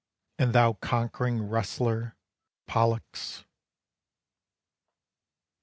And thou conquering wrestler, Pollux."